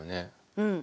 うん。